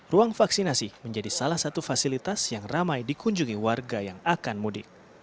ruang vaksinasi menjadi salah satu fasilitas yang ramai dikunjungi warga yang akan mudik